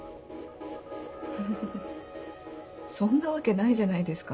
フフフそんなわけないじゃないですか。